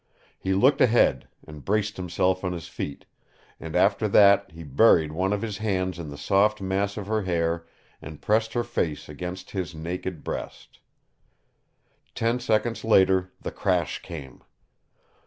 He looked ahead and braced himself on his feet, and after that he buried one of his hands in the soft mass of her hair and pressed her face against his naked breast. Ten seconds later the crash came.